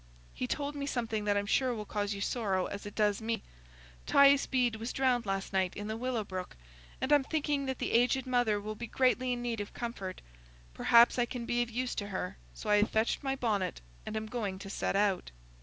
He told me something that I'm sure will cause you sorrow, as it does me. Thias Bede was drowned last night in the Willow Brook, and I'm thinking that the aged mother will be greatly in need of comfort. Perhaps I can be of use to her, so I have fetched my bonnet and am going to set out."